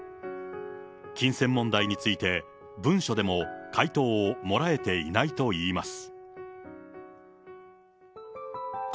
金銭問題について、文書でも回答をもらえていないといいます。